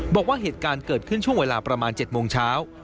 บอกว่าเหตุการณ์เกิดขึ้นช่วงเวลาประมาณ๗โมงเช้า